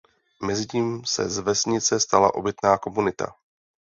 Mezitím se z vesnice stala obytná komunita.